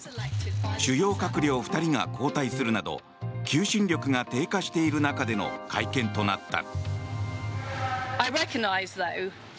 主要閣僚２人が交代するなど求心力が低下している中での会見となった。